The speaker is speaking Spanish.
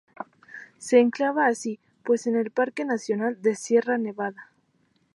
Se enclava así pues en el Parque nacional de Sierra Nevada.